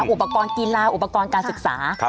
อุปกรณ์กีฬาอุปกรณ์การศึกษา